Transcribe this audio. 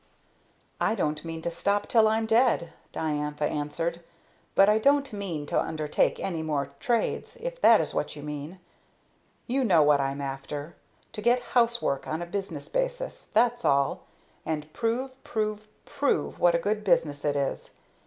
"I don't mean to stop till I'm dead," Diantha answered; "but I don't mean to undertake any more trades, if that is what you mean. You know what I'm after to get 'housework' on a business basis, that's all; and prove, prove, PROVE what a good business it is.